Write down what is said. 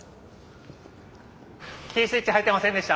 キースイッチ入っていませんでした。